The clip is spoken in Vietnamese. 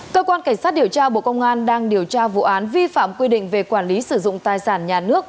cơ quan cảnh sát điều tra bộ công an đang điều tra vụ án vi phạm quy định về quản lý sử dụng tài sản nhà nước